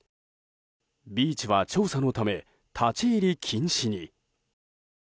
ビーチは調査のため立ち入り禁止に。